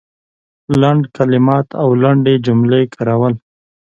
لنډ کلمات او لنډې جملې کارول